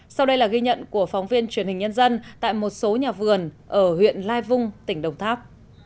sau đây là ghi nhận của phóng viên truyền hình nhân dân tại một số nhà vườn ở huyện lai vung tỉnh đồng tháp